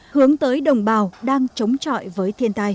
hướng tới đồng bào đang chống trọi với thiên tài